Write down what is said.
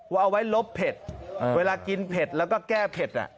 เอาไว้ลบเผ็ดเวลากินเผ็ดแล้วก็แก้เผ็ด